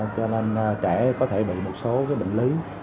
cho nên trẻ có thể bị một số bệnh lý